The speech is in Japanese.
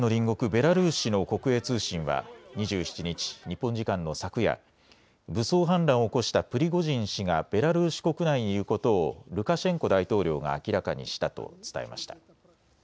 ベラルーシの国営通信は２７日、日本時間の昨夜、武装反乱を起こしたプリゴジン氏がベラルーシ国内にいることをルカシェンコ大統領が明らかにしたと伝えました。